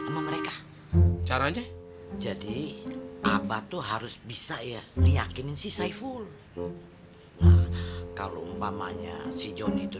sama mereka caranya jadi abah tuh harus bisa ya diyakinin sih saiful kalau umpamanya si john itu